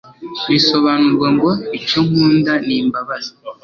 risobanurwa ngo icyo nkunda ni imbabazi